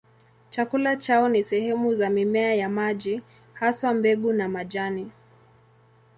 Chakula chao ni sehemu za mimea ya maji, haswa mbegu na majani.